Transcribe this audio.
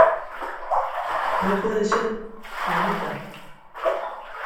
no puede ser, mi amita: